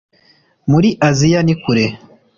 muri aziya ni kure.